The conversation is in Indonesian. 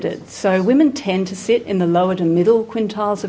jadi perempuan biasanya duduk di kualitas pendapatan yang rendah dan rendah